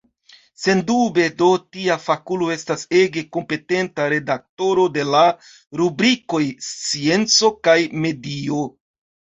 Sendube do tia fakulo estas ege kompetenta redaktoro de la rubrikoj scienco kaj medio.